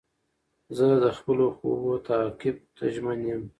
زه د خپلو خوبو تعقیب ته ژمن یم.